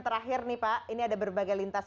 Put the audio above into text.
terakhir nih pak ini ada berbagai lintas